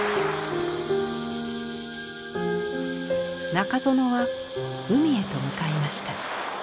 中園は海へと向かいました。